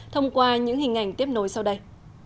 thông qua những hình ảnh tiếp nối sau đây